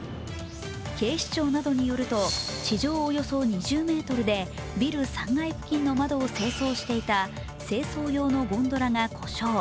警視庁などによると、地上およそ２０ｍでビル３階付近の窓を清掃していた清掃用のゴンドラが故障。